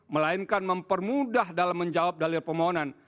melainkan mempermudah dalam menjawab dalil permohonan